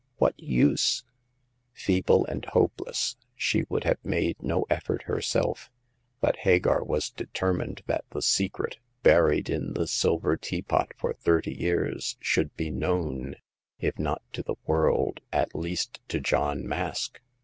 What use ?" Feeble and hopeless, she would have made no effort herself ; but Hagar was determined that the secret, buried in the silver teapot for thirty years, should be known, if not to the world, at least to John Mask.